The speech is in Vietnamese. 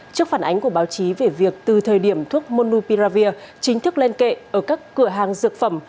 trước phản ánh của báo chí về việc từ thời điểm thuốc monu piravir chính thức lên kệ ở các cửa hàng dược phẩm